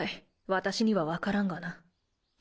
私にはわからんがな。